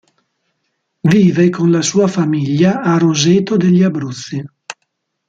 Vive con la sua famiglia a Roseto degli Abruzzi.